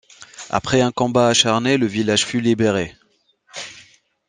Après un combat acharné le village fut libéré.